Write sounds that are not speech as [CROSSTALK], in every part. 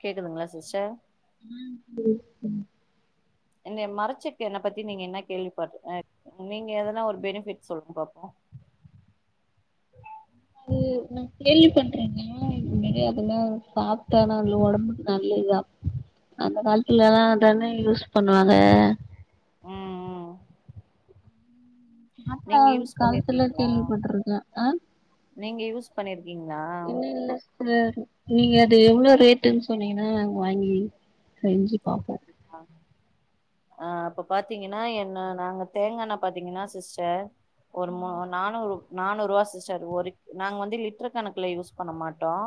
கேக்குதுங்ளா சிஸ்டர் ம் கேக்துங் என்னய மறைச்சு என்ன பத்தி நீங்க என்ன கேள்விப்பட் அ நீங்க எதனா ஒரு பெனிபிட் சொல்லுங் பாப்போ [INAUDIBLE] அது நா கேள்வி பட்ருக்கேனா முன்னாடியே அதெல்லாம் சாப்பிட்டானா உடம்புக்கு நல்லது தான் அந்த காலத்துல எல்லாம் அதானே யூஸ் பண்ணுவாங்க ம் ம் நாட்டா நீங்க யூஸ் காலத்துல பண்ணிருக்கீங்களா கேள்விப்பட்டிருக்கேன் ஆஹ் நீங்க யூஸ் பண்ணிருக்கீங்களா இல்ல இல்ல சிஸ்டர் நீங்க அது எவ்ளோ ரேட்டுன்னு சொன்னீங்கன்னா வாங்கி செஞ்சி பாப்போம் ஆஹ் ஆஹ் அப்ப பாத்தீங்கன்னா என்ன நாங்க தேங்கா எண்ணெ பாத்தீங்கன்னா சிஸ்டர் ஒரு மூனு நானு நானூறு ரூவா சிஸ்டர் ஒரு நாங்க வந்து லிட்டரு கணக்குல யூஸ் பண்ண மாட்டோம்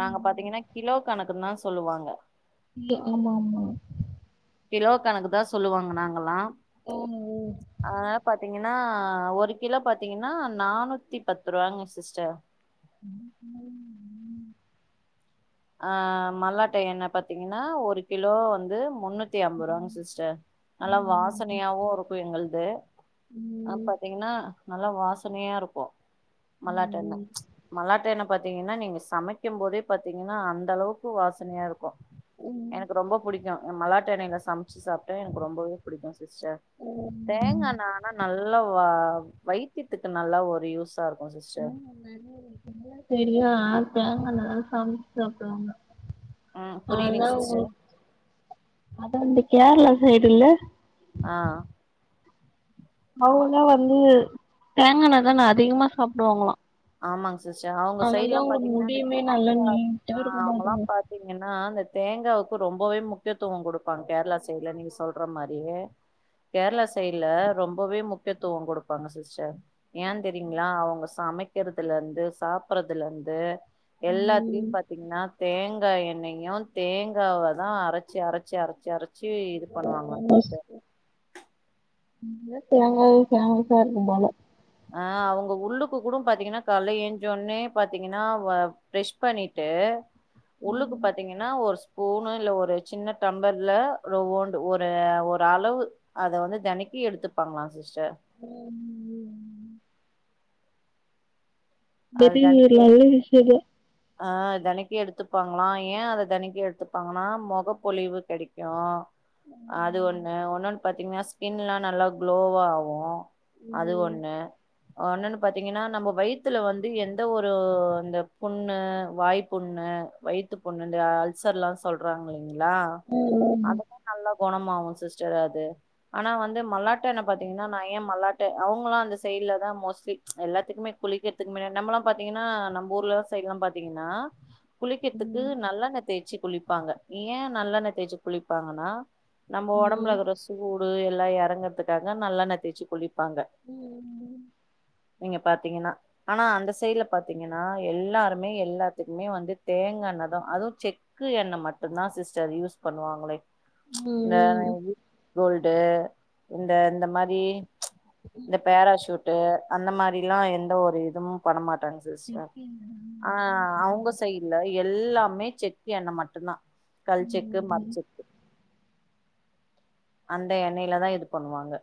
நாங்க பாத்தீங்கன்னா கிலோ கணக்குன்னு தான் சொல்லுவாங்க இல்ல ஆமா ஆமா கிலோ கணக்கு தான் சொல்லுவாங்க நாங்கல்லாம் ஓ ஓ ஏனா ஒரு கிலோ பாத்தீங்கன்னா நானூத்தி பத்து ரூபாங்க சிஸ்டர் [INAUDIBLE] அஹ் மழ டைம்னா பாத்தீங்கன்னா ஒரு கிலோ வந்து முன்னூத் நூத்தி ஐம்பது ம் ரூவாங்க சிஸ்டர் நல்லா வாசனையாவும் இருக்கும் எங்களது ஆ ம் பாத்தீங்கன்னா நல்லா வாசனையா இருக்கும் மழ டைம்ல மழ ட்ட எண்ண பாத்தீங்கன்னா நீங்க சமைக்கும் போதே பாத்தீங் ஏன்னா அந்த அளவுக்கு வாசனையா இருக்கும் ம் எனக்கு ரொம்ப பிடிக்கும் என் மலாட்டு எண்ணெயில சம சமைச்சு சாப்பிட்டா எனக்கு ரொம்பவே பிடிக்கும் சிஸ்டர் ம் ம் தேங்கா எண்ணெ ஆனா நல்லா வா வைத்தியத்துக்கு நல்லா ஒரு யூஷா இருக்கு சிஸ்டர் ஆஹ் நிறைய இருக்குல்லாம் தெரியும் ஆளுக்கங்க தேங்காஎண்ணெ சமைச்சு சாப்பிடுவாங்க ம் புரியுதுங்க ஆதான் உ சிஸ்டர் அத வந்து கேரளா சைடு இல்ல ஆஹ் அவுங்க வந்து தேங்கா எண்ணெ தான் னா அதிகமா சாப்பிடுவாங்களாம் ஆமாங்க சிஸ்டர் அவுங்க சைட் எல்லாம் பாத்தீங்கன்னா முடியுமே நல்லா நீட்டா இருக்கு ஆஹ் அவுங்கல்லாம் பாத்துங்க பாத்தீங்கன்னா அந்த தேங்க் தேங்காய்க்கு ரொம்பவே முக்கியத்துவம் குடுப்பாங்க கேரளா சைடுல நீங்க சொல்ற மாதிரியே கேரளா சைடுல ரொம்பவே முக்கியத்துவம் கொடுப்பாங்க சிஸ்டர் ஏன் தெரியுங்களா அவுங்க சமைக் சமைக்கிறதுல இருந்து சாப்ட்றதுல இருந்து ம் எல்லாத்துளையும் பாத்தீங்கன்னா தேங்காய் எண்ணெயும் தேங்காவ தான் அரைச்சு அரைச்சு அரைச்சு அரைச்சு ச்சு இது பண்ணுவாங்களாம் சிஸ்டர் அதனால தேங்காவும் ஃபேமஸா இருக்கும் போல ஆஹ் அவுங்க உள்ளுக்கு கூட பாத்தீங்கன்னா காலைல எந்திச்ச உடனே பாத்தீங்கன்னா ப்ரஷ் பண்ணிட்டு ஆ உள்ளுக்கு ம். பாத்தீங்கன்னா ஒரு ஸ்பூ ஸ்பூனு இல்ல ஒரு சின்ன டம்லர்ல ஒரு ஒரு அளவு அத வந்து தனக்கு கி எடுத்துப்பாங்களாம் சிஸ்டர் ஹம் அது பெரிய ஒரு தினக்கி நல்ல விஷயந்தா ஆஹ் தினக்கி எடுத்துப்பா லாம் ஏன் அத தினக்கி எடுத்துப்பாங்கன்னா முகப்பொலிவு கிடைக்கும் அது ஒண்ணு ஒன்னுன்னு பாத்தீங்கன்னா ஸ்கின்லா நல்லா க்ளோவாகும் அது ம் ஒண்ணு ஒன்னன்னு பாத்தீங்கன்னா நம்ம வயி யித்துல வந்து எந்த ஒரு அந்த புண்ணு வாய்புண்ணு வயித்து புண்ணு இந்த அல்ச சர் லா சொல்ராங்க இல்லைங்களா ம் அததான் நல்லா குணமாகும் சிஸ்டர் அது ஆனா வந்து மல்லாட்ட எண்ணெ பாத்தீங்கன்னா நான் ஏன் மல்லாட்ட அவுங்களாம் அந்த செய் இல்ல தான் மோஸ்ட்லி எல்லாத்துக்குமே குளிக்கற்துக்கு முன்ன நம்மல்லா பாத்தீங்னா நம்ம ஊர்ல சைட்லா பாத்தீங்னா குளிக்கெதுக்கு ம் நல்லெண்ண தேச்சி குளிப்பாங்க ஏ நல்லெண்ணெய தேச்சி குளிப்பாங்கன்னா நம்ம ம் ஒடம்புலக்ற சூ ஃபுல் எல்லா எறங்கற்துக்காக நல்லெண்ண தேச்சி குளிப்பாங்க ம் நீங்க பாத்தீங்கனா ஆனா அந்த சைட்ல பாத்தீங்கனா எல்லாருமே எல்லாத்துக்குமே வந்து தேங்காண்ணெதா அதுவு செக் க்கு என்ன மட்டுந்தா சிஸ்டர் யூஸ் பண்ணுவாங்களே ம் இந்த ம் இது கோல்டு இந்த இந்த மாரி இந்த பேராசூட்டு அந்த மாரில்லா எந்த ஒ எதுவும் பண்ண மாட்டாங்க சிஸ்டர் ஆ வர்ல அவுங்க சைட்ல எல்லாமே செக்கு எண்ண மட்டுந்தா கல் செக்கு மட் செக்கு அந்த எண்ணெயில தா இது பண்ணுவாங்க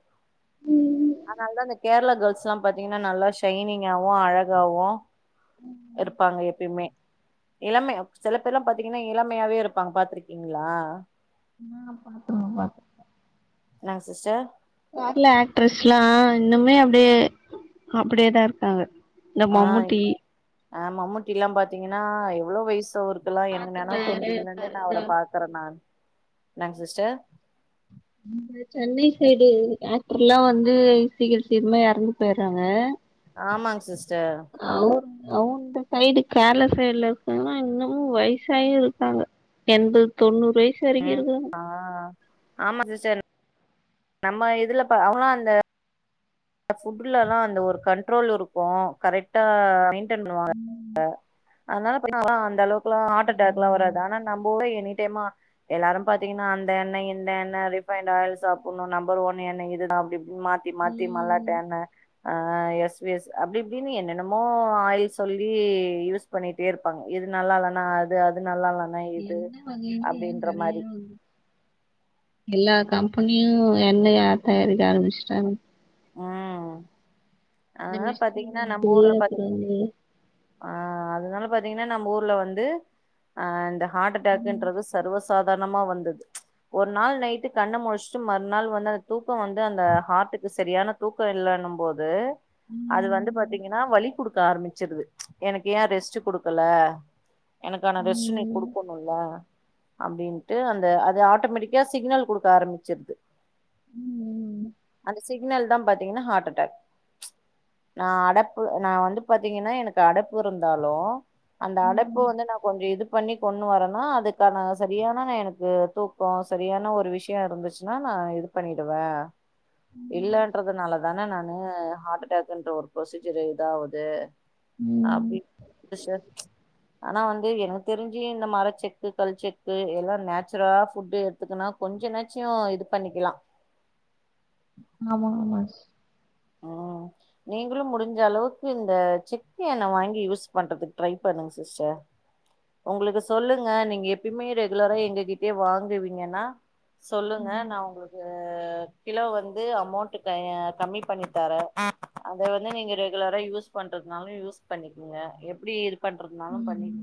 அதனாலதா இந்த கேரளா கேர்ள்ஸ்லா பாத்தீங்கன்னா நல்லா ஷைனிங்காவு அழகாவு எடுப்பாங்க எப்பயுமே இளமை சில பேர்லா பாத்தீங்கனா இளமையாவே இருப்பாங்க பாத்துருக்கீங்களா ஆ பாத்துல்லா பாத்துர்க்கே என்னாங் சிஸ்டர் கேர்ளா ஆக்ட்ரஸ்லா இன்னுமே அப்டியே அப்டியேதா இருக்காங்க இந்த ஆ மம்முட்டி ஆ மம்முட்டில்லா பாத்தீங்கன்னா எவ்ளோ வய்சு தவுருக்கெலா எனக்கு நெனவு பாத்தனாரு தெரிஞ்சதுலேந்து இருக்காரு நா இதா அவர பாக்குறே நான் என்னங் சிஸ்டர் இந்த சென்னை சைடு ஆக் டர்லா வந்து சீக்கிர சீக்கிரமா எறந்து போய்றாங்க ஆமாங் சிஸ் அவு அவுங்க சைடு கேரளா சைடுல இருக்கவுங்கல்லா இன்னமு வய்சாயு இருக்காங்க எண்பது தொண்ணூறு வயசு வரைக்கு ம் இருக்குறாங்க ஆ ஆமா சிஸ்டர் நம்ம இதுல ப ஆனா அந்த ஃபுட்லல்லா அந்த ஒரு கண்ட்ரோல் இருக்கூ கரெக்டா மெய் ன்டன் பண்ணுவாங்க ஆமா அதனால பாத்தீங்னா அந்தளவுக்குலா ஹார்ட் அட்டாக்லா ஆமா வராது ஆனா நம்ம ஊர்ல எனி டேமா எல்லாரு பாத்தீங்னா அந்த எண்ணெ இந்த எண்ணெ ரிஃபைன்ட் ஆயில் சாப்புண்ணு நம்பர் ஒன் எண்ணெ இதுதா அப்டி யு மாத்தி மாத்தி மல்லாட்ட ம் எண்ணெ ஆ எஸ் வி எஸ் அப்டிப்டினு என்னென்னமோ ஆயில் சொல்லி யூஸ் பண்ணிட்டேருப்பாங்க இது நல்லால்லனா அது அது நல்லால்ல எல்லா கம் பெனியு எண்ணெயா தயாரிக்க ஆரம்ச்சிட்டாங்க ஆ இந்த அததா மிஷின் பாத்தீங்னா நம்ம வந்து ஊர்ல அப்புறம் பாத்தீங்னா வந்து ஆ அதனால பாத்தீங்னா நம்ப ஊர்ல வந்து ஆ இந்த ஹார்ட் ம் அட்டாக்குன்றது சர்வஸ் சாதாரணமா வந்துது ஒர் நாள் நைட்டு கண்ண முழிச்சுட்டு மறுநாள் வந்து அந்த தூக்கோ வந்து அந்த ஹார்ட்டுக் செரியான தூக்க இல்லனும் போது அது வந்து ம் பாத்தீங்கன்னா வலி குடுக்க ஆரம்பிச்சிருது எனக்கு ஏ ரெஸ்ட்டு குடுக்கல எனக்கான ரெஸ்ட் நீ் ம் குடுக்குணூல அப்டின்ட்டு அந்த அது ஆட்டோமேட்டிக்கா சிக்னல் குடுக்க ஆரம்பிச்சிருது ம் ம் ம் அந்த சிக்னல் தா பாத்தீங்னா ஹார்ட் அட்டாக் நா அடப்பு நா வந்து பாத்தீங்கன்னா எனக்கு அடப்பு இருந்தாலு அந்த அடப்பு ம் வந்து நா கொஞ்சோ இது பண்ணி கொண்னு வரேனா அதுக்கான செரியான எனக்கு தூக்கோ செரியான ஒரு விஷயோ இருந்துச்சுன்னா நா ஆ இது பண்ணிடுவே இல்லன்றதுனால தான நானு ஹார்ட்டாக்ன்ற ஒரு ப்ரொசீஜர் இதாவுது ம். அப்டி சிஸ்டர் ஆனா வந் எனக்கு தெரிஞ்சு இந்த மரச்செக்கு கல் செக்கு இதெல்லா நேச்சுரலா ஃபுட் எடுத்துக்கனா கொஞ்சனாச்சு நோ இது பண்ணிக்கலா ஆமா ஆமா ஓ நீங்களு முடிஞ்ச அளவுக்கு இந்த செக்கு எண்ணெ வாங்கி யூஸ் பண்றதுக்கு ட்ரை பண்ணுங்க சிஸ்டர் ஒங்களுக்கு சொல்லுங்க நீங்க எப்பயுமே ரெகுலரா எங்க கிட்டயே வாங்குவீங்கன்னா சொல்லுங்க ம் நா ஒங்களுக்கு கிலோ வந்து அமௌண்ட் க கம்மி பண்ணி தரே அத வந்து நீங்க ரெகுலரா யூஸ் பண்றதுனாலு யூஸ் பண்ணிக்கெங்க எப்டி இது பண்றதுனாலு பண்ணிக்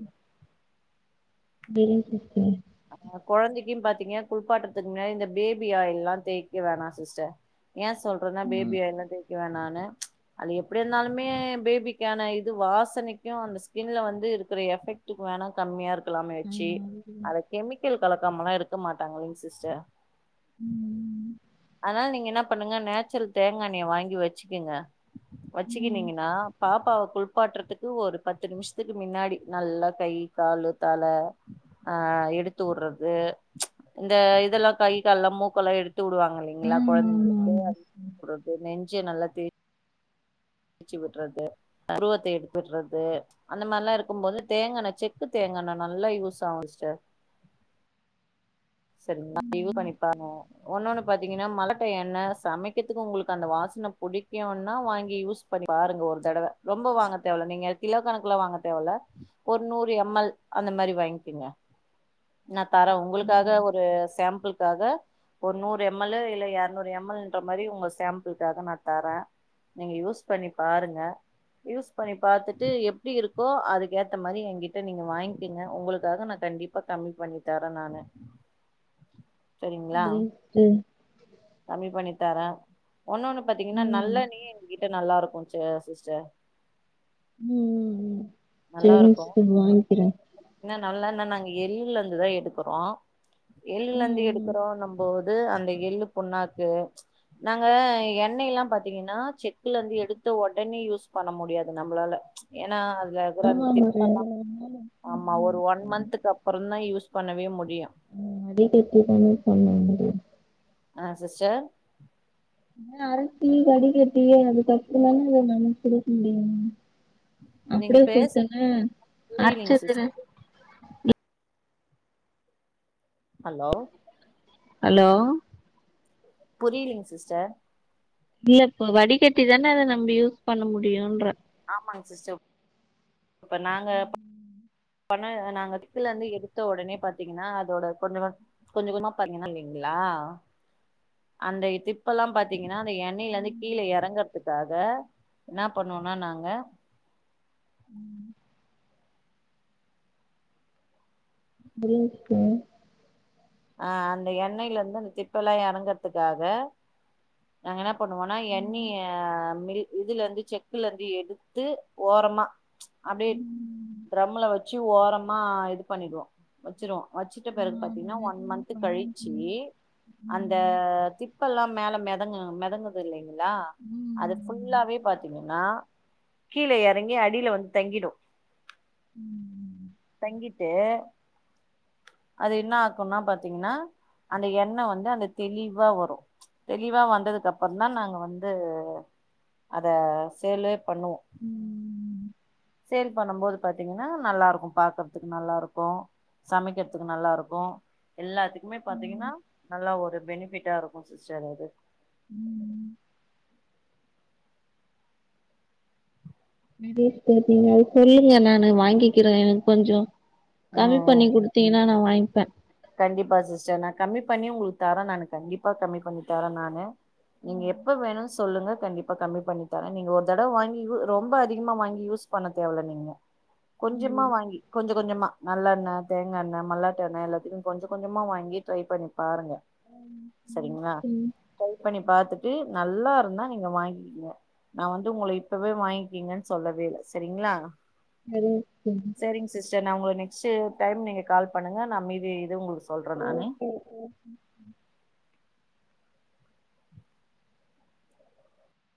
பெரி சிஸ்டர் ஆ கொழந்திக்கு பாத்தீங்க குள்பாட்டுறதுக்கு முன்னாடி இந்த பேபி ஆயில்ல தேய்க்க வேணா சிஸ்டர் ஏ சொல்றன்னா பேபி ம் ஆயில்லா தேக்கவேணானு ச் அது எப்டி இருந்தாலுமே பேபிக்கென்னாயிது வாசனைக்கு அந்த ஸ்கின்ல வந்து இருக்குற எஃபெக்டுகு வேணா கம்மியா ஆ இருக்கலாமேச்சி அத கெமிக்கல் கலக்காமலா இருக்க மாட்டாங்கலைங் சிஸ்டர் ம் அதனால நீங்க என்ன பண்ணுங்க நேச்சுரல் தேங்கண்ணெய வாங்கி வச்சிக்குங்க ம் வச்சிக்கினீங்கன்னா அ பாப்பாவ குள்ப்பாட்டுறதுக்கு ஒரு பத்து நிம்ஷத்துக்கு மின்னாடி நல்லா கை காலு தல ஆ எடுத்துவுறது ச் இந்த இதெல்லா கை கால்லா மூக்கெல்லா எடுத் துடுவாங்க இல்லைங்களா ஆமா ஆமா கொழந்தைங்களுக்கு ஆமா உறது நெஞ்சு நல்லா தேச் சி விட்றது புருவத்த எடுத்து உட்றது அந்த மர்லா இருக்கும் போது தேங்கான செக்கு தேங் காணா நல்லா யூஸ் ஆவு சிஸ்டர் செரிங்களா இது பண்ணி பாருங்க ஒன்னொண்ணு பாத்தீங்கன்னா மழ டைம்ல எண்ண சமைக்கத்துக்கு உங்களுக்கு அந்த வாச ன புடுக்கியூனா வாங்கி யூஸ் பண்ணி பாருங்க ஒரு தடவ ரொம்ப வாங்க தேவல்ல நீங்க கிலோ கணக்குல வாங்க தேவ ல ஒரு நூறு எம் எல் அந்த மாரி வாங்கிங்க நா தர உங்களுக்காக ஒரு சாம்புள்காக ஒரு நூறு எம் எல் லு இல்ல இறநூறு எம் எல்ன்ற மாரி உங்க சாம்புல்காக நா தர நீங்க யூஸ் பண்ணி பாருங்க யூஸ் பண்ணி பாத்துட்டு எப்டி இருக்கோ அதுக்கேத்த மாரி என்கிட்ட நீங்க வாங்கிக்கங்க ஒங்களுக்காக நா க கண்டிப்பா கம்மி பண்ணி தர நானு செரிங்களா தெரியும் சிஸ்டர் கம்மி பண்ணித் தர ஒன்னு ஒண்ணு பாத்தீங்கன்னா ம் நல்லெண்ணெ எங்ககிட்ட நல்லா இருக்கோ ச சிஸ்டர் நல்லா சேரிங்க இருக்கு சிஸ்டர் வாங்க்கிற எள்லருந்து தா எடுக்கறோ எள்லருந்து ம் ம் எடுக்குறோ நம்போ து அந்த எள்ளு புண்ணாக்கு நாங்க எண்ணெய்லா பாத்தீங்கன்னா செக்குல இருந்து எடுத்து உடனே யூஸ் பண்ண முடியாது நம்ளால ச் ஏன்னா அது இலக்குறது ந்த ஆமா ஆமா பித்தெல்ல ரெண்டு மூணு நாள் ஆமா ஒரு ம் ஒன் ம் மன்த்துக்கு அப்புறோ தா யூஸ் பண்ணவே முடியு வீட்டுக்கு கூட்டு தா சொல்ல முடியு ஆ சிஸ்டர் அ அரைச்சி வடிகடிக்கட்டியே அது அப்பறோதாங்க அத நம்ம குடுக்க முடியு நீங்க அப்டியே பேச கொடுத்தன்ன புரியலங்க அரைச்சதது சிஸ்டர் ஹலோ ஹலோ புரிலிங் சிஸ்டர் இல்ல இப்ப வடிகட்டி தானே அத நம்ம யூஸ் பண்ண முடியுன்ற ஆமாங்க சிஸ்டர் இப்ப நாங்க பண நாங்க [UNINTELLIGIBLE] இருந்து எடுத்த உடனே பாத்தீங்கன்னா அதோட கொஞ்ச கொஞ்ச கொஞ்சமா பாத்தீங்கன்னா செய்விங்க லா அந்த திப்பெலா பாத்தீங்க னா அந்த எண்ணெயிலருந்து கீழ இறங்குறதுக்காக என்னா பண்ணோம்னா நாங்க ம் [UNINTELLIGIBLE] ஆஹ் அந்த எண்ணெய்லருந்து அந் திப்பேல்லா இறங்கறதுக்காக நாங்க என்ன பண்ணுவோனா எண்ணிய மில் இதுலருந்து செக்குல இருந்து எடுத்து ஓ ரமா அப்டியே ட்ரம்முல வச்சி ஓரமா இது பண்ணிடுவோ வச்சுருவோ வச்சிட்டு பிறகு பாத்தீங்கன்னா ஒன் மன்த் கழிச்சி அந்த திப்பெல்லா மேல மெதங்கு மெதங்குது இல்லைங்களா அது ஃபுல்லாவே பாத்தீங்கன்னா கீழ இறங்கி அடியில வந்து தங்கிடு தங்கிட்டு அது என்னா ன்னா பாத்தீங்கன்னா அந்த எண்ணய் வந்து அந்த தெளிவா வரும் தெளிவா வந்ததுக்கு அப்புறம் தான் நாங்க வந்து அத சேல்லே பண்ணுவோம் சேல் பண்ணும் போது பாத்தீங்கன்னா நல்லாருக்கு பாக்குறதுக்கு நல்லாருக்கும் சமைக்கிறதுக்கு நல்லாருக்கு எல்லாத்துக்குமே பாத்தீங்கன்னா நல்லா ஒரு பெனிபிட்டாருக்கும் சிஸ்டர் அது ம் [INAUDIBLE] [UNINTELLIGIBLE] நீங்க அது சொல்லுங்க நானு வாங்கிக்கிறேன் கொஞ்சம் ம் கம்மி ம் பண்ணி குடுத்தீங்கன்னா நான் வாங்கிப்பேன் கண்டிப்பா சிஸ்டர் நா கம்மி பண்ணி உங்களுக்கு தரே நானு கண்டிப்பா கம்மி பண்ணி தரேன் நானு நீங்க எப்ப வேணும் சொல்லுங்க கண்டிப்பா கம்மி பண்ணி தரேன் நீங்க ஒரு தடவை வாங்கி ரொம்ப அதிகமா வாங்கி யூஸ் பண்ண தேவல்ல நீங்க கொஞ்சமா ம் வாங்கி கொஞ்சம் கொஞ்சமா நல்லெண்ணய் தோங்காயெண்ணய் மல்லாட்ட எண்ணய் எல்லாத்துக்கும் கொஞ்ச கொஞ்சமா வாங்கி ட்ரை பண்ணி பாருங்க சரிங்களா ம் ட்ரை பண்ணி பாத்துட்டு நல்லா இருந்தா நீங்க வாங்கிகீங்க நான் வந்து உங்கள இப்பவே வாங்கிக்கீங்கன்னு சொல்லவே இல்ல சரிங்களா அது செரி நா உங்களுக்கு நெக்ஸ்ட் டைம் நீங்க கால் பண்ணுங்க நான் மீது இது உங்களுக்கு சொல்றே ஓ நானே ஓ ஓ